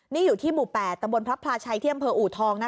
นี่อยู่ที่หมู่๘ตะบลพระพลาชัยเที่ยมพอู๋ทองนะคะ